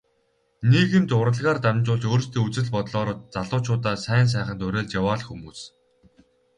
Нийгэмд урлагаар дамжуулж өөрсдийн үзэл бодлоороо залуучуудаа сайн сайханд уриалж яваа л хүмүүс.